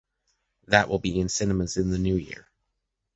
That will be in cinemas in the new year.